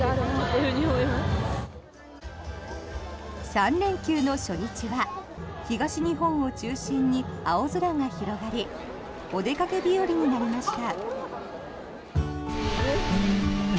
３連休の初日は東日本を中心に青空が広がりお出かけ日和になりました。